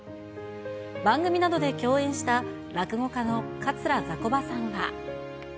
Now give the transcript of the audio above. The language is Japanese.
番組などで共演した落語家の桂ざこばさんは。